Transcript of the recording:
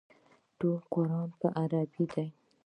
ټول قران په عربي دی.